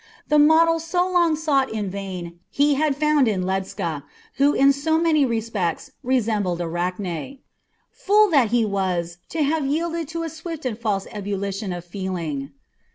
The model so long sought in vain he had found in Ledscha, who in so many respects resembled Arachne. Fool that he was to have yielded to a swift and false ebullition of feeling!